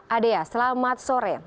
ada ya selamat sore